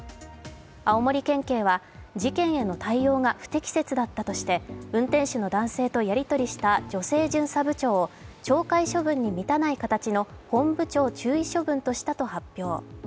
青森県警は、事件への対応が不適切だったとして運転手の男性とやり取りした女性巡査部長を懲戒処分に満たない形の本部長注意処分としたと発表。